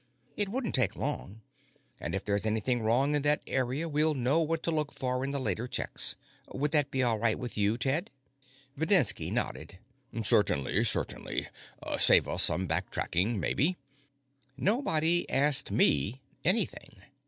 "It wouldn't take long, and if there's anything wrong in that area, we'll know what to look for in the later checks. Would that be all right with you, Ted?" Videnski nodded. "Certainly, certainly. Save us some backtracking, maybe." Nobody asked me anything.